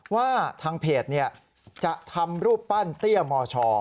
ว่าทางเพจจะทำรูปปั้นเตี้ยมช